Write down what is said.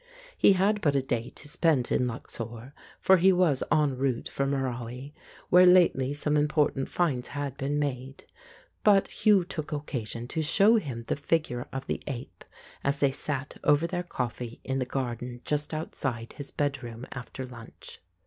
He had but a day to spend in Luxor, for he was en route for Merawi, where lately some important finds had been made ; but Hugh took occasion to show him the figure of the ape as they sat over their coffee in the garden just outside his bedroom after lunch.